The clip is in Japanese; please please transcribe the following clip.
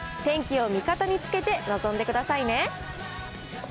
天気を味方につけて臨んでくださいね。